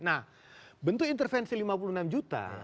nah bentuk intervensi lima puluh enam juta